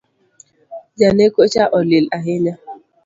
Janeko cha olil ahinya